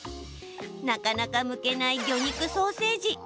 なかなかむけない魚肉ソーセージ。